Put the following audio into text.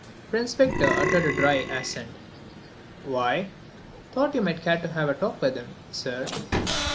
Prince Victor uttered with dry accent: "Why?" "Thought you might care to have a talk with him, sir."